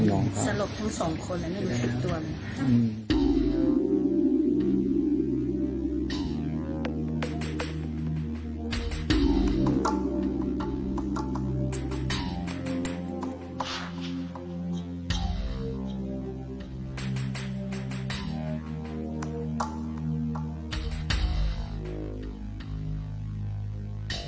อ้างน้ำ